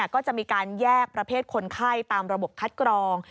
ก็จะมีการแยกประเภทคนไข้ตามระบบคัดกรอง